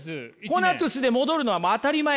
コナトゥスで戻るのは当たり前。